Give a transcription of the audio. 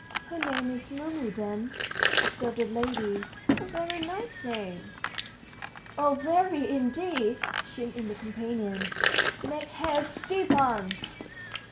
"Her name's Mumu then," observed the lady; "a very nice name." "Oh, very, indeed!" chimed in the companion. "Make haste, Stepan!"